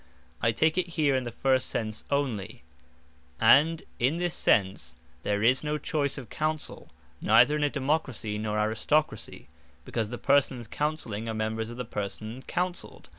I take it here in the first sense onely: And in this sense, there is no choyce of Counsell, neither in a Democracy, nor Aristocracy; because the persons Counselling are members of the person Counselled.